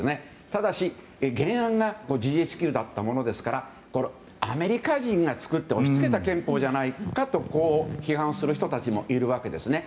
ただし、原案がＧＨＱだったものですからアメリカ人が作って押し付けた憲法じゃないかと批判する人たちもいるわけですね。